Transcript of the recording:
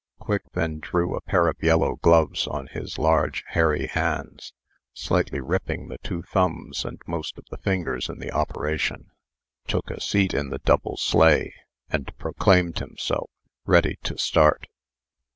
Quigg then drew a pair of yellow gloves on his large, hairy hands, slightly ripping the two thumbs and most of the fingers in the operation, took a seat in the double sleigh, and proclaimed himself ready to start.